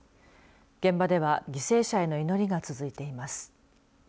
現場では犠牲者への祈りが続いています。